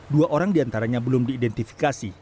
dua orang diantaranya belum diidentifikasi